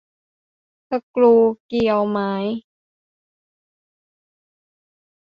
สกรูเกลียวไม้